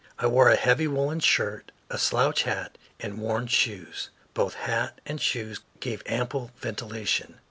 I wore a heavy woolen shirt, a slouch hat, and worn shoes; both hat and shoes gave ample ventilation.